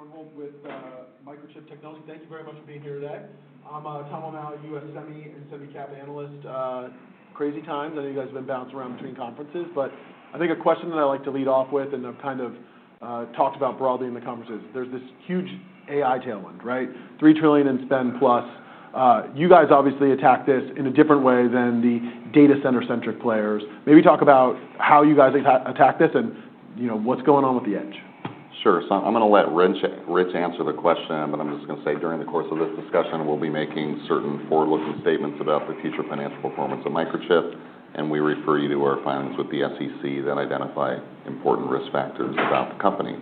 Eric Bjornholt with Microchip Technology. Thank you very much for being here today. I'm Tom O'Malley, U.S. Semi and Semi Cap analyst. Crazy times. I know you guys have been bouncing around between conferences, but I think a question that I like to lead off with, and I've kind of talked about broadly in the conference is there's this huge AI tailwind, right? $3 trillion in spend plus. You guys obviously attack this in a different way than the data center-centric players. Maybe talk about how you guys attack this and, you know, what's going on with the edge. Sure. So I'm gonna let Rich answer the question, but I'm just gonna say during the course of this discussion, we'll be making certain forward-looking statements about the future financial performance of Microchip, and we refer you to our filings with the SEC that identify important risk factors about the company.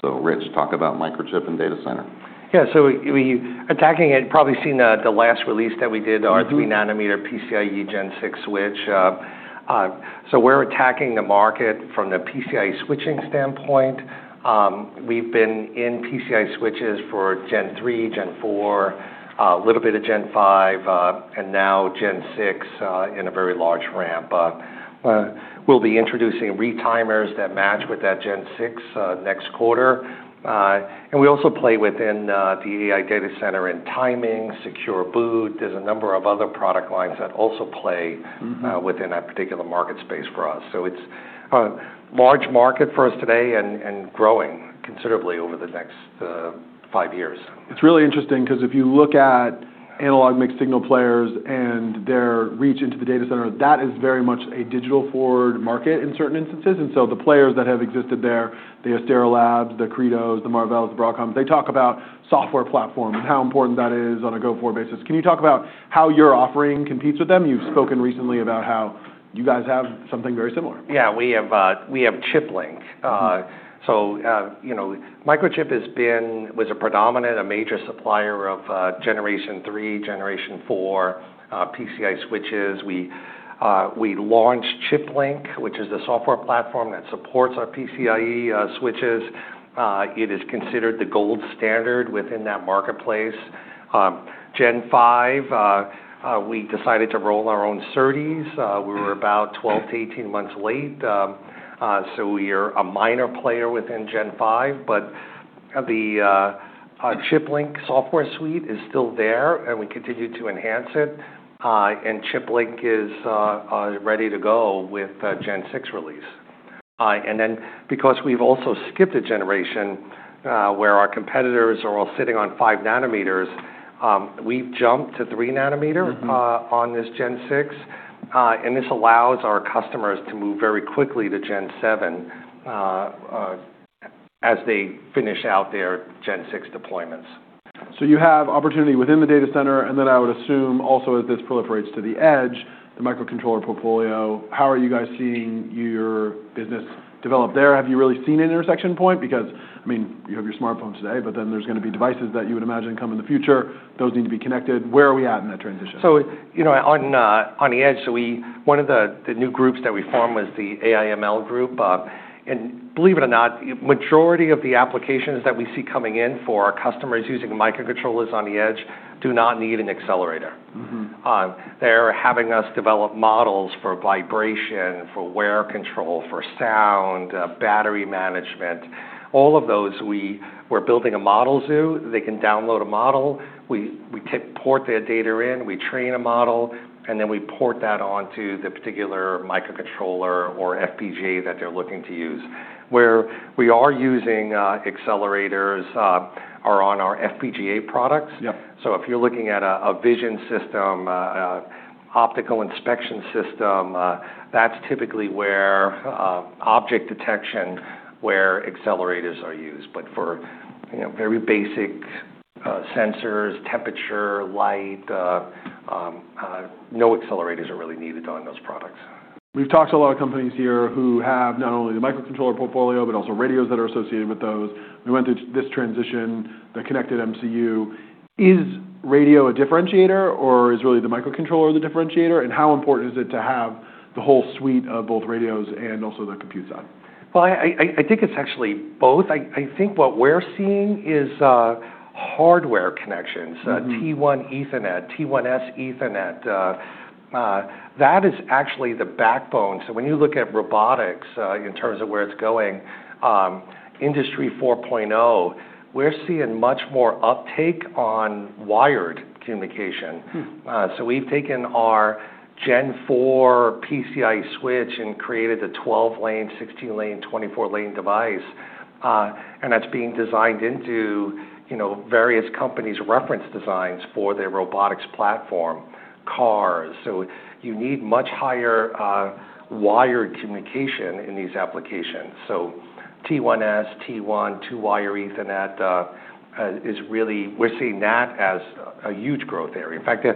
So Rich, talk about Microchip and data center. Yeah. So we're attacking it. Probably you've seen the last release that we did, our three-nanometer PCIe Gen 6 switch, so we're attacking the market from the PCIe switching standpoint. We've been in PCIe switches for Gen 3, Gen 4, a little bit of Gen 5, and now Gen 6 in a very large ramp. We'll be introducing retimers that match with that Gen 6 next quarter, and we also play within the AI data center in timing, secure boot. There's a number of other product lines that also play. Mm-hmm. Within that particular market space for us. So it's a large market for us today and growing considerably over the next five years. It's really interesting 'cause if you look at analog mixed signal players and their reach into the data center, that is very much a digital forward market in certain instances. And so the players that have existed there, the Astera Labs, the Credos, the Marvells, the Broadcom, they talk about software platform and how important that is on a go-forward basis. Can you talk about how your offering competes with them? You've spoken recently about how you guys have something very similar. Yeah. We have ChipLink. You know, Microchip was a predominant, a major supplier of Generation 3, Generation 4 PCIe switches. We launched ChipLink, which is the software platform that supports our PCIe switches. It is considered the gold standard within that marketplace. Gen 5, we decided to roll our own SerDes. We were about 12 months-18 months late. We are a minor player within Gen 5, but the ChipLink software suite is still there, and we continue to enhance it. ChipLink is ready to go with Gen 6 release. Then because we've also skipped a generation, where our competitors are all sitting on five nanometers, we've jumped to three nanometer. Mm-hmm. On this Gen 6 and this allows our customers to move very quickly to Gen 7, as they finish out their Gen 6 deployments. So you have opportunity within the data center, and then I would assume also as this proliferates to the edge, the microcontroller portfolio. How are you guys seeing your business develop there? Have you really seen an intersection point? Because, I mean, you have your smartphones today, but then there's gonna be devices that you would imagine come in the future. Those need to be connected. Where are we at in that transition? You know, on the edge, one of the new groups that we formed was the AI/ML group. Believe it or not, majority of the applications that we see coming in for our customers using microcontrollers on the edge do not need an accelerator. Mm-hmm. They're having us develop models for vibration, for wear control, for sound, battery management. All of those we were building a model zoo. They can download a model. We, we import their data in. We train a model, and then we port that onto the particular microcontroller or FPGA that they're looking to use. Where we are using accelerators are on our FPGA products. Yep. So if you're looking at a vision system, optical inspection system, that's typically where object detection, where accelerators are used. But for, you know, very basic sensors, temperature, light, no accelerators are really needed on those products. We've talked to a lot of companies here who have not only the microcontroller portfolio but also radios that are associated with those. We went through this transition, the connected MCU. Is radio a differentiator, or is really the microcontroller the differentiator? And how important is it to have the whole suite of both radios and also the compute side? I think it's actually both. I think what we're seeing is hardware connections. Mm-hmm. T1 Ethernet, T1S Ethernet, that is actually the backbone. So when you look at robotics, in terms of where it's going, Industry 4.0, we're seeing much more uptake on wired communication. Mm-hmm. We've taken our Gen 4 PCIe switch and created the 12-lane, 16-lane, 24-lane device. That's being designed into, you know, various companies' reference designs for their robotics platform, cars. You need much higher wired communication in these applications. T1S, T1, two-wire Ethernet is really we're seeing that as a huge growth area. In fact,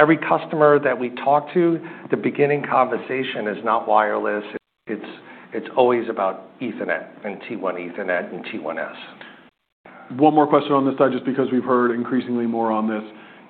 every customer that we talk to, the beginning conversation is not wireless. It's always about Ethernet and T1 Ethernet and T1S. One more question on this side, just because we've heard increasingly more on this.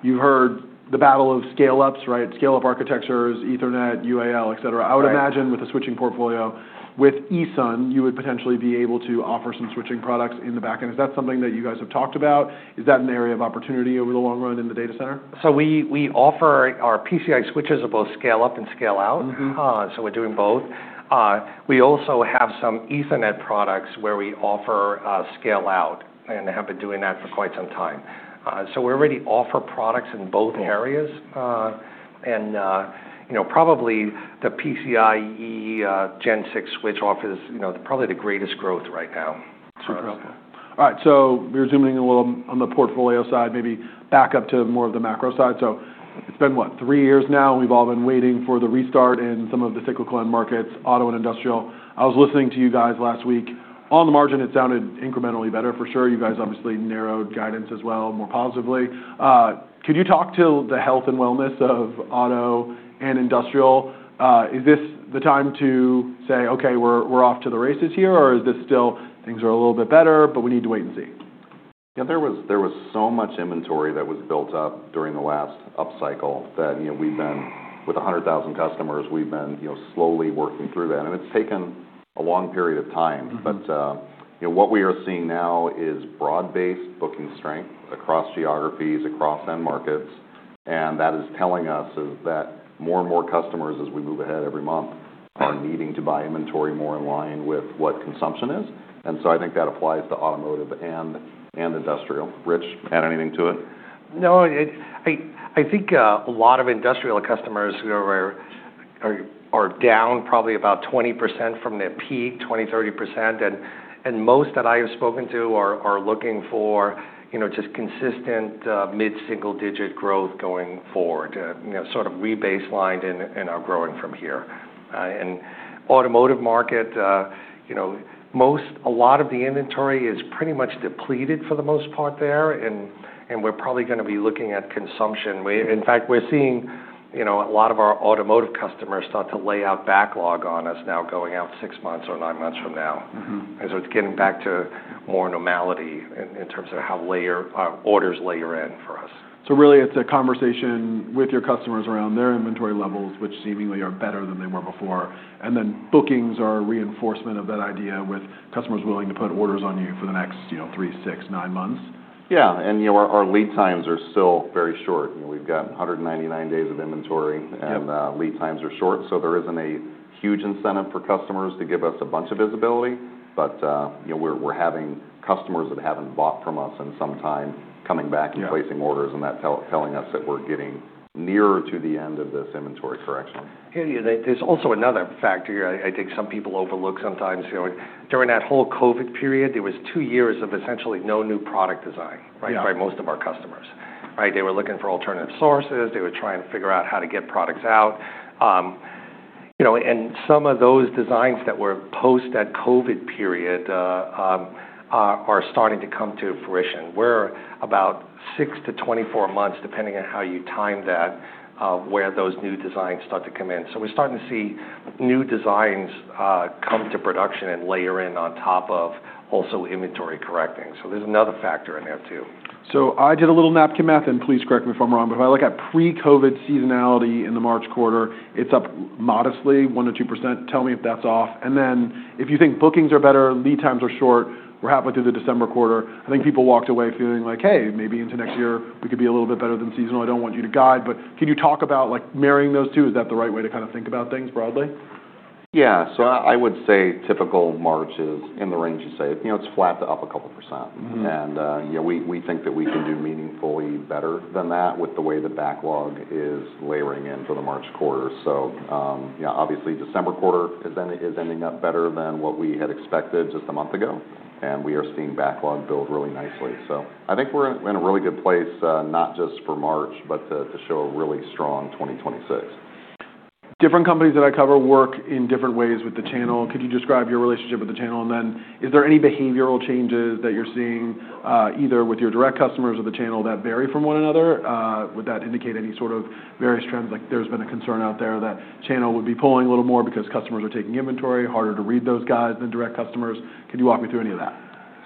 You've heard the battle of scale-ups, right? Scale-up architectures, Ethernet, UAL, et cetera. Mm-hmm. I would imagine with a switching portfolio with ESUN, you would potentially be able to offer some switching products in the back end. Is that something that you guys have talked about? Is that an area of opportunity over the long run in the data center? So we offer our PCIe switches are both scale-up and scale-out. Mm-hmm. So we're doing both. We also have some Ethernet products where we offer scale-out and have been doing that for quite some time. So we already offer products in both areas and you know, probably the PCIe Gen 6 switch offers, you know, probably the greatest growth right now. All right. So we're zooming in a little on the portfolio side, maybe back up to more of the macro side. So it's been, what, three years now? We've all been waiting for the restart in some of the cyclical end markets, auto and industrial. I was listening to you guys last week. On the margin, it sounded incrementally better, for sure. You guys obviously narrowed guidance as well more positively. Could you talk to the health and wellness of auto and industrial? Is this the time to say, "Okay, we're, we're off to the races here," or is this still, "Things are a little bit better, but we need to wait and see"? Yeah. There was so much inventory that was built up during the last upcycle that, you know, we've been with 100,000 customers, we've been, you know, slowly working through that. And it's taken a long period of time. Mm-hmm. You know, what we are seeing now is broad-based booking strength across geographies, across end markets. And that is telling us that more and more customers, as we move ahead every month, are needing to buy inventory more in line with what consumption is. And so I think that applies to automotive and industrial. Rich, add anything to it? No. I think a lot of industrial customers who are down probably about 20% from their peak, 20%-30%. And most that I have spoken to are looking for, you know, just consistent, mid-single-digit growth going forward, you know, sort of re-baselined in our growing from here. And automotive market, you know, most a lot of the inventory is pretty much depleted for the most part there. And we're probably gonna be looking at consumption. In fact, we're seeing, you know, a lot of our automotive customers start to lay out backlog on us now going out six months or nine months from now. Mm-hmm. And so it's getting back to more normality in terms of how orders layer in for us. So really it's a conversation with your customers around their inventory levels, which seemingly are better than they were before. And then bookings are a reinforcement of that idea with customers willing to put orders on you for the next, you know, three, six, nine months. Yeah. And, you know, our lead times are still very short. You know, we've got 199 days of inventory. Yep. Lead times are short. There isn't a huge incentive for customers to give us a bunch of visibility. You know, we're having customers that haven't bought from us in some time coming back. Yeah. placing orders and that telling us that we're getting nearer to the end of this inventory correction. Hey, there's also another factor here. I think some people overlook sometimes, you know, during that whole COVID period, there was two years of essentially no new product design, right? Yeah. By most of our customers, right? They were looking for alternative sources. They were trying to figure out how to get products out. You know, and some of those designs that were post that COVID period are starting to come to fruition. We're about six months-24 months, depending on how you time that, where those new designs start to come in. So we're starting to see new designs come to production and layer in on top of also inventory correcting. So there's another factor in there too. So I did a little napkin math, and please correct me if I'm wrong, but if I look at pre-COVID seasonality in the March quarter, it's up modestly, 1%-2%. Tell me if that's off. And then if you think bookings are better, lead times are short, we're halfway through the December quarter, I think people walked away feeling like, "Hey, maybe into next year we could be a little bit better than seasonal. I don't want you to guide." But can you talk about, like, marrying those two? Is that the right way to kind of think about things broadly? Yeah. So I would say typical March is in the range you say. You know, it's flat to up a couple percent. Mm-hmm. You know, we think that we can do meaningfully better than that with the way the backlog is layering in for the March quarter. So, yeah, obviously December quarter is ending up better than what we had expected just a month ago. We are seeing backlog build really nicely. So I think we're in a really good place, not just for March but to show a really strong 2026. Different companies that I cover work in different ways with the channel. Could you describe your relationship with the channel? And then is there any behavioral changes that you're seeing, either with your direct customers or the channel that vary from one another? Would that indicate any sort of various trends? Like, there's been a concern out there that channel would be pulling a little more because customers are taking inventory, harder to read those guys than direct customers. Could you walk me through any of that?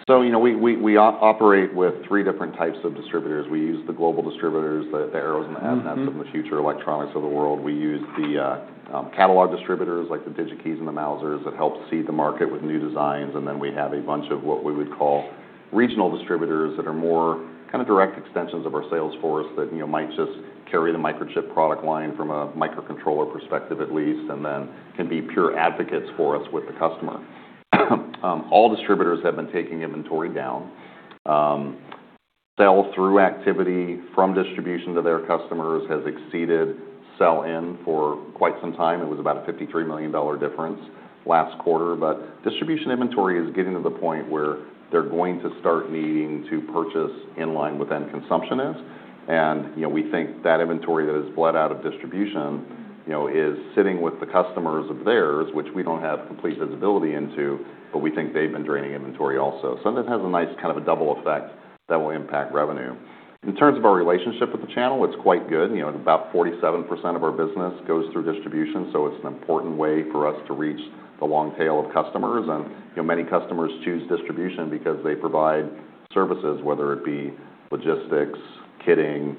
So, you know, we operate with three different types of distributors. We use the global distributors, the Arrows and the. Mm-hmm. And the Future Electronics of the world. We use the catalog distributors, like the DigiKey and the Mouser that help seed the market with new designs. And then we have a bunch of what we would call regional distributors that are more kind of direct extensions of our sales force that, you know, might just carry the Microchip product line from a microcontroller perspective at least, and then can be pure advocates for us with the customer. All distributors have been taking inventory down. Sell-through activity from distribution to their customers has exceeded sell-in for quite some time. It was about a $53 million difference last quarter. But distribution inventory is getting to the point where they're going to start needing to purchase in line with end consumption. You know, we think that inventory that has bled out of distribution, you know, is sitting with the customers of theirs, which we don't have complete visibility into, but we think they've been draining inventory also. That has a nice kind of a double effect that will impact revenue. In terms of our relationship with the channel, it's quite good. You know, about 47% of our business goes through distribution. It's an important way for us to reach the long tail of customers. You know, many customers choose distribution because they provide services, whether it be logistics, kitting,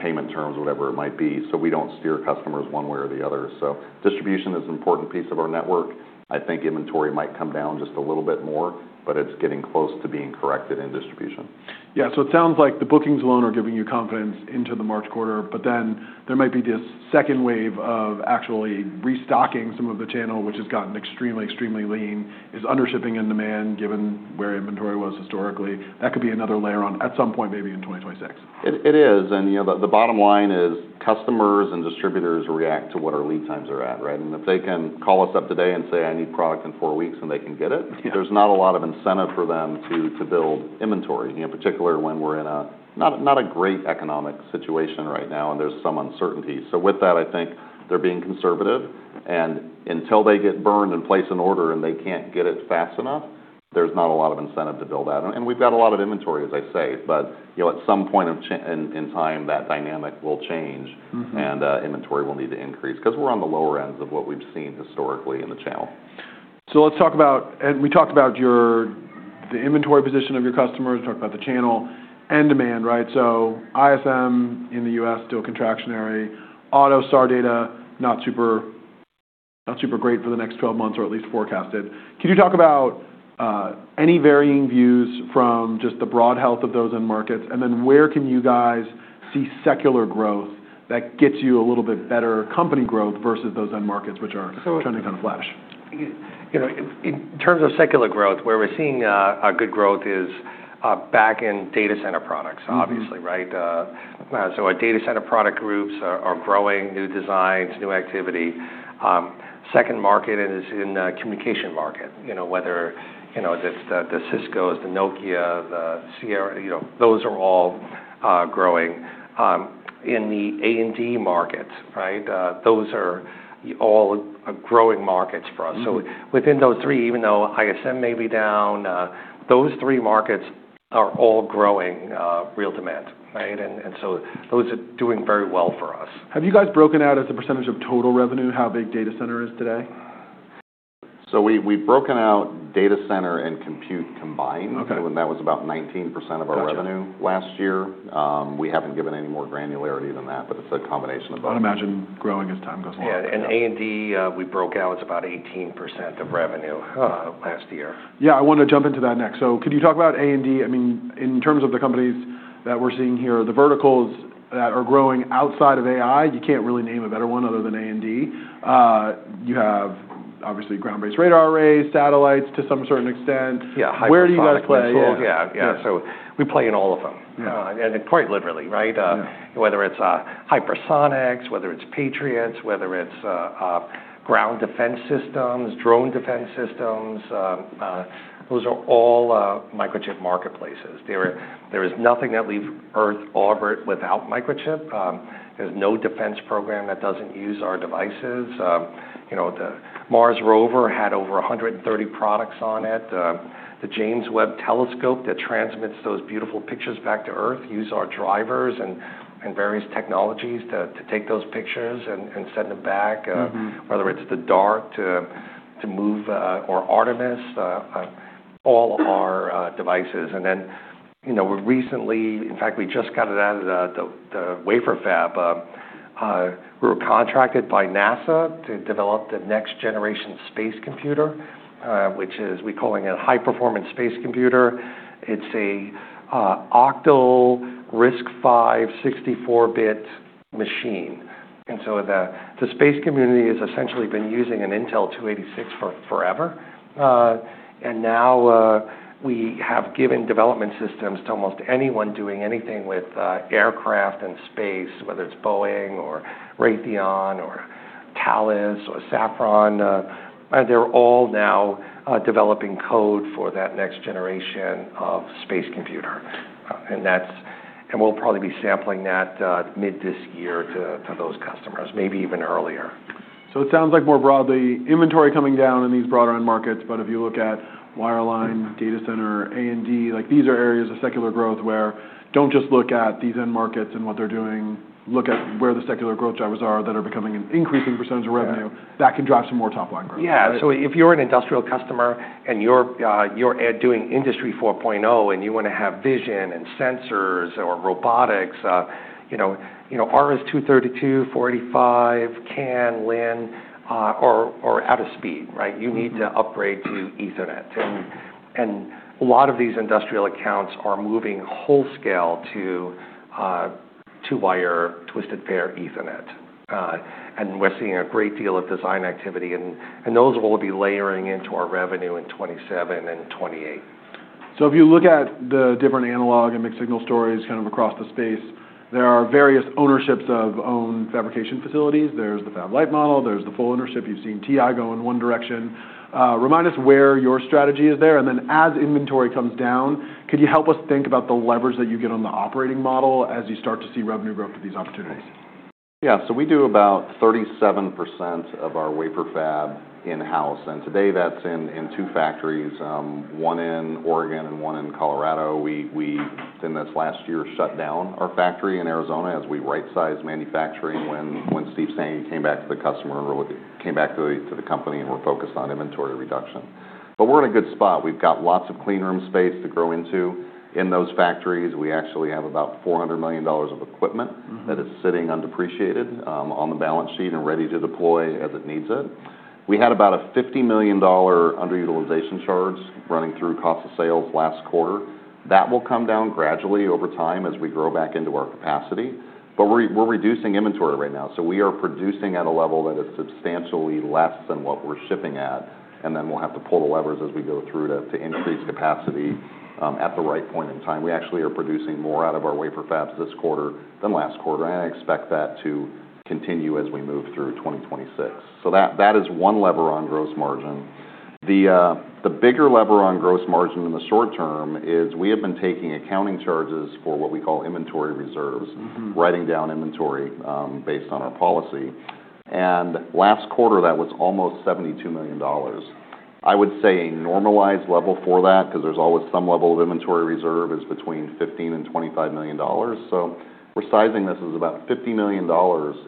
payment terms, whatever it might be. We don't steer customers one way or the other. Distribution is an important piece of our network. I think inventory might come down just a little bit more, but it's getting close to being corrected in distribution. Yeah. So it sounds like the bookings alone are giving you confidence into the March quarter, but then there might be this second wave of actually restocking some of the channel, which has gotten extremely, extremely lean, is undershipping in demand given where inventory was historically. That could be another layer on at some point maybe in 2026. It is. And, you know, the bottom line is customers and distributors react to what our lead times are at, right? And if they can call us up today and say, "I need product in four weeks," and they can get it. Yeah. There's not a lot of incentive for them to build inventory, you know, particularly when we're in a not a great economic situation right now, and there's some uncertainty. So with that, I think they're being conservative. And until they get burned and place an order and they can't get it fast enough, there's not a lot of incentive to build out. And we've got a lot of inventory, as I say. But, you know, at some point in time, that dynamic will change. Mm-hmm. Inventory will need to increase 'cause we're on the lower ends of what we've seen historically in the channel. So let's talk about, and we talked about your, the inventory position of your customers, talked about the channel and demand, right? So ISM in the U.S. still contractionary, auto sector data not super, not super great for the next 12 months or at least forecasted. Could you talk about, any varying views from just the broad health of those end markets? And then where can you guys see secular growth that gets you a little bit better company growth versus those end markets, which are. So. Trending kind of flash? You know, in terms of secular growth, where we're seeing good growth is back in data center products, obviously, right. So our data center product groups are growing, new designs, new activity. Second market is in communication market, you know, whether you know that's the Ciscos, the Nokia, the Sierra, you know, those are all growing in the A&D markets, right? Those are all growing markets for us. Mm-hmm. So within those three, even though ISM may be down, those three markets are all growing, real demand, right? And so those are doing very well for us. Have you guys broken out as a percentage of total revenue how big data center is today? So we, we've broken out data center and compute combined. Okay. When that was about 19% of our revenue last year. We haven't given any more granularity than that, but it's a combination of both. I'd imagine growing as time goes on. Yeah, and A&D, we broke out as about 18% of revenue, last year. Yeah. I wanted to jump into that next. So could you talk about A&D? I mean, in terms of the companies that we're seeing here, the verticals that are growing outside of AI, you can't really name a better one other than A&D. You have obviously ground-based radar arrays, satellites to some certain extent. Yeah. Hypersonics. Where do you guys play? Yeah. Yeah. So we play in all of them. Yeah. Quite literally, right? Yeah. Whether it's hypersonics, whether it's Patriot, whether it's ground defense systems, drone defense systems, those are all Microchip marketplaces. There is nothing that leaves Earth orbit without Microchip. There's no defense program that doesn't use our devices. You know, the Mars Rover had over 130 products on it. The James Webb Telescope that transmits those beautiful pictures back to Earth uses our drivers and, and various technologies to, to take those pictures and, and send them back. Mm-hmm. Whether it's the DART to move, or Artemis, all our devices. And then, you know, we recently, in fact, we just got it out of the wafer fab. We were contracted by NASA to develop the next-generation space computer, which we're calling a high-performance space computer. It's an octal RISC-V 64-bit machine. And so the space community has essentially been using an Intel 286 for forever. And now, we have given development systems to almost anyone doing anything with aircraft and space, whether it's Boeing or Raytheon or Thales or Safran. They're all now developing code for that next generation of space computer. And we'll probably be sampling that mid this year to those customers, maybe even earlier. So, it sounds like more broadly inventory coming down in these broader end markets. But if you look at wireline, data center, A&D, like, these are areas of secular growth where don't just look at these end markets and what they're doing. Look at where the secular growth drivers are that are becoming an increasing percentage of revenue. That can drive some more top-line growth. Yeah. So if you're an industrial customer and you're doing Industry 4.0 and you want to have vision and sensors or robotics, you know, RS-232, 485, CAN, LIN, or out of speed, right? Mm-hmm. You need to upgrade to Ethernet, and a lot of these industrial accounts are moving wholesale to wired twisted pair Ethernet. We're seeing a great deal of design activity, and those will be layering into our revenue in 2027 and 2028. So if you look at the different analog and mixed signal stories kind of across the space, there are various ownerships of own fabrication facilities. There's the Fab-Lite model. There's the full ownership. You've seen TI go in one direction. Remind us where your strategy is there. And then as inventory comes down, could you help us think about the leverage that you get on the operating model as you start to see revenue growth with these opportunities? Yeah. So we do about 37% of our wafer fab in-house. Today that's in two factories, one in Oregon and one in Colorado. We in this last year shut down our factory in Arizona as we rightsized manufacturing when Steve Sanghi came back to the company and we're focused on inventory reduction. But we're in a good spot. We've got lots of clean room space to grow into. In those factories, we actually have about $400 million of equipment. Mm-hmm. That is sitting undepreciated, on the balance sheet and ready to deploy as it needs it. We had about a $50 million underutilization charge running through cost of sales last quarter. That will come down gradually over time as we grow back into our capacity. But we're reducing inventory right now. So we are producing at a level that is substantially less than what we're shipping at. And then we'll have to pull the levers as we go through to increase capacity, at the right point in time. We actually are producing more out of our wafer fabs this quarter than last quarter. And I expect that to continue as we move through 2026. So that is one lever on gross margin. The bigger lever on gross margin in the short term is we have been taking accounting charges for what we call inventory reserves. Mm-hmm. Writing down inventory based on our policy. Last quarter, that was almost $72 million. I would say a normalized level for that 'cause there's always some level of inventory reserve is between $15 million and $25 million. We're sizing this as about $50 million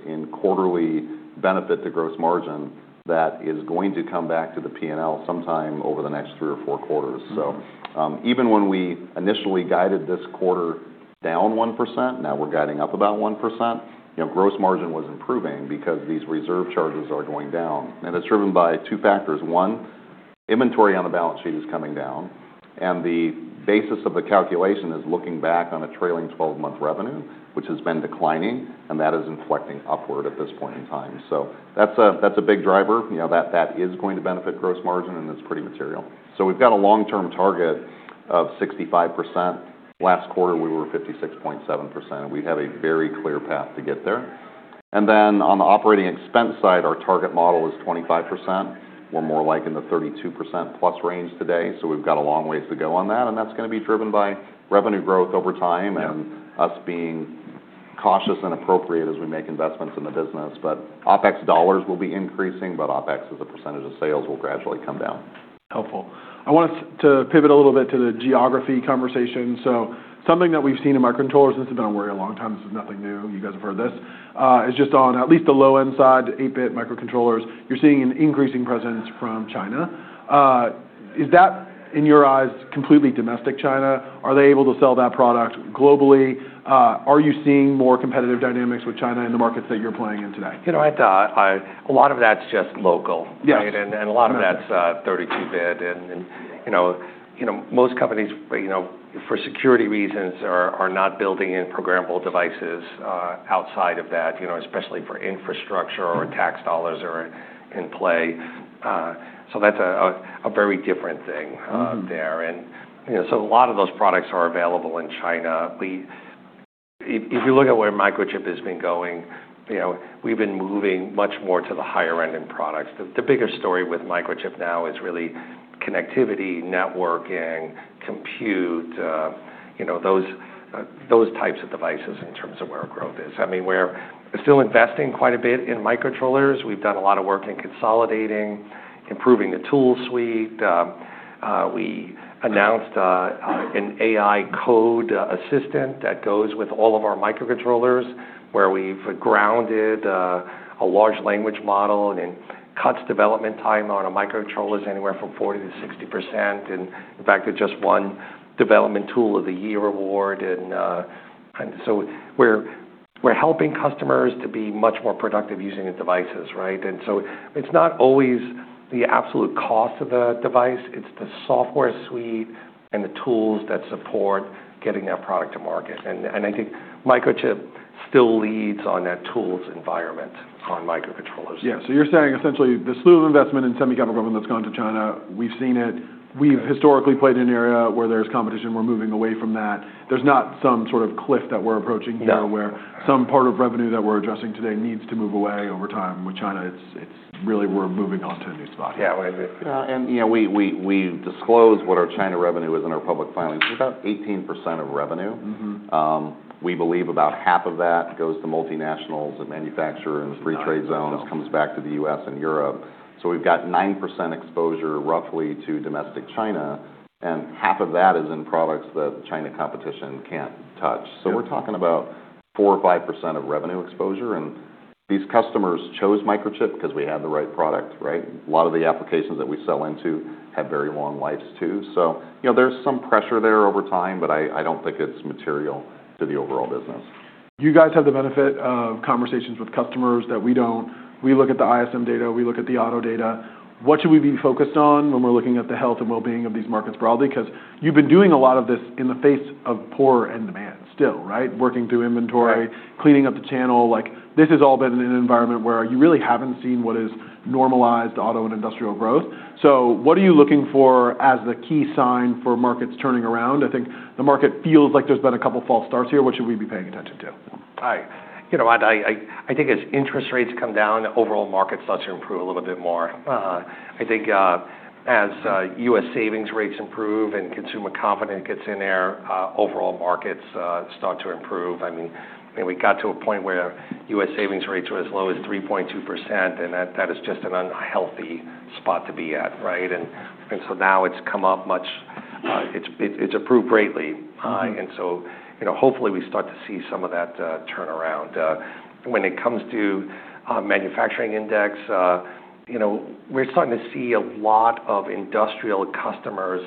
in quarterly benefit to gross margin that is going to come back to the P&L sometime over the next three or four quarters. Mm-hmm. So, even when we initially guided this quarter down 1%, now we're guiding up about 1%. You know, gross margin was improving because these reserve charges are going down. And it's driven by two factors. One, inventory on the balance sheet is coming down. And the basis of the calculation is looking back on a trailing 12-month revenue, which has been declining, and that is inflecting upward at this point in time. So that's a big driver. You know, that is going to benefit gross margin, and it's pretty material. So we've got a long-term target of 65%. Last quarter, we were 56.7%. We have a very clear path to get there. And then on the operating expense side, our target model is 25%. We're more like in the 32%+ range today. So we've got a long ways to go on that. That's gonna be driven by revenue growth over time. Yeah. Us being cautious and appropriate as we make investments in the business, but OpEx dollars will be increasing, but OpEx as a percentage of sales will gradually come down. Helpful. I want us to pivot a little bit to the geography conversation. So something that we've seen in microcontrollers, and this has been a worry a long time. This is nothing new. You guys have heard this, is just on at least the low-end side, 8-bit microcontrollers, you're seeing an increasing presence from China. Is that in your eyes completely domestic China? Are they able to sell that product globally? Are you seeing more competitive dynamics with China in the markets that you're playing in today? You know, I a lot of that's just local. Yes. Right? And a lot of that's 32-bit. And you know, most companies, you know, for security reasons are not building in programmable devices outside of that, you know, especially for infrastructure or tax dollars are in play. So that's a very different thing there. Mm-hmm. You know, so a lot of those products are available in China. We, if you look at where Microchip has been going, you know, we've been moving much more to the higher-end products. The bigger story with Microchip now is really connectivity, networking, compute, you know, those types of devices in terms of where our growth is. I mean, we're still investing quite a bit in microcontrollers. We've done a lot of work in consolidating, improving the tool suite. We announced an AI code assistant that goes with all of our microcontrollers where we've grounded a large language model and then cuts development time on our microcontrollers anywhere from 40%-60%. So we're helping customers to be much more productive using the devices, right? So it's not always the absolute cost of the device. It's the software suite and the tools that support getting that product to market. I think Microchip still leads on that tools environment on microcontrollers. Yeah. So you're saying essentially the slew of investment in semiconductor equipment that's gone to China. We've seen it. We've historically played in an area where there's competition. We're moving away from that. There's not some sort of cliff that we're approaching here. No. Where some part of revenue that we're addressing today needs to move away over time with China. It's really we're moving on to a new spot. Yeah. You know, we disclose what our China revenue is in our public filings. It's about 18% of revenue. Mm-hmm. We believe about half of that goes to multinationals and manufacturers and free trade zones. Comes back to the U.S. and Europe. So we've got 9% exposure roughly to domestic China. And half of that is in products that China competition can't touch. Yeah. So we're talking about 4% or 5% of revenue exposure. And these customers chose Microchip 'cause we had the right product, right? A lot of the applications that we sell into have very long lives too. So, you know, there's some pressure there over time, but I don't think it's material to the overall business. You guys have the benefit of conversations with customers that we don't. We look at the ISM data. We look at the auto data. What should we be focused on when we're looking at the health and well-being of these markets broadly? 'Cause you've been doing a lot of this in the face of poorer end demand still, right? Working through inventory. Right. Cleaning up the channel. Like, this has all been in an environment where you really haven't seen what is normalized auto and industrial growth. So what are you looking for as the key sign for markets turning around? I think the market feels like there's been a couple false starts here. What should we be paying attention to? I, you know, I think as interest rates come down, overall markets start to improve a little bit more. I think, as U.S. savings rates improve and consumer confidence gets in gear, overall markets start to improve. I mean, we got to a point where U.S. savings rates were as low as 3.2%. And that is just an unhealthy spot to be at, right? And so now it's come up much, it's improved greatly. And so, you know, hopefully we start to see some of that turnaround. When it comes to manufacturing index, you know, we're starting to see a lot of industrial customers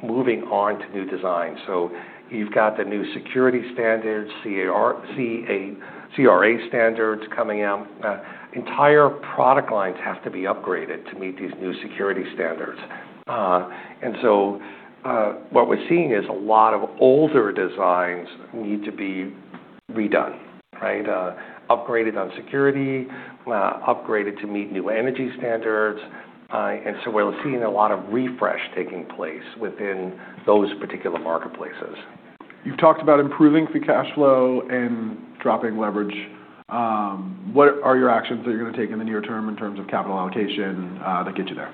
moving on to new designs. So you've got the new security standards, CRA standards coming out. Entire product lines have to be upgraded to meet these new security standards. And so, what we're seeing is a lot of older designs need to be redone, right? Upgraded on security, upgraded to meet new energy standards. And so we're seeing a lot of refresh taking place within those particular marketplaces. You've talked about improving through cash flow and dropping leverage. What are your actions that you're gonna take in the near term in terms of capital allocation, that get you there?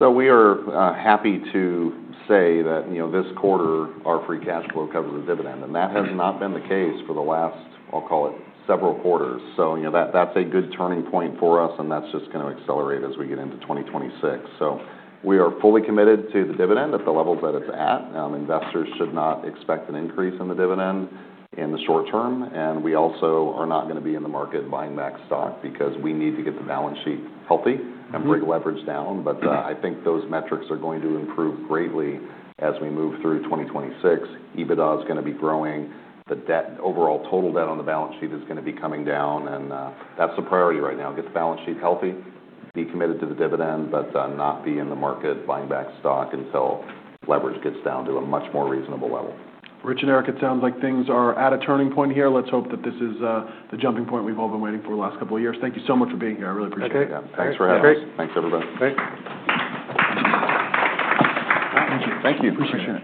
So we are happy to say that, you know, this quarter, our free cash flow covers the dividend. And that has not been the case for the last, I'll call it, several quarters. So, you know, that, that's a good turning point for us. And that's just gonna accelerate as we get into 2026. So we are fully committed to the dividend at the levels that it's at. Investors should not expect an increase in the dividend in the short term. And we also are not gonna be in the market buying back stock because we need to get the balance sheet healthy and bring leverage down. But, I think those metrics are going to improve greatly as we move through 2026. EBITDA is gonna be growing. The debt, overall total debt on the balance sheet is gonna be coming down. And, that's the priority right now. Get the balance sheet healthy, be committed to the dividend, but not be in the market buying back stock until leverage gets down to a much more reasonable level. Rich and Eric, it sounds like things are at a turning point here. Let's hope that this is, the jumping point we've all been waiting for the last couple of years. Thank you so much for being here. I really appreciate it. Okay. Yeah. Thanks for having us. Okay. Thanks, everybody. Thanks. Thank you. Thank you. Appreciate it.